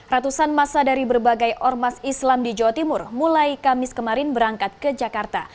ratusan masa dari berbagai ormas islam di jawa timur mulai kamis kemarin berangkat ke jakarta